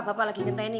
bapak lagi ngeteh ini